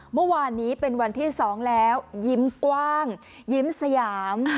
เมื่อวานนี้เป็นวันที่๒แล้วยิ้มกว้างยิ้มสยาม